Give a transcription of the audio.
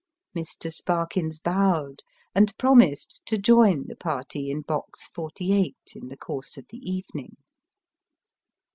Mr. Sparkins bowed, and promised to join, the party in box 48, in the course of the evening.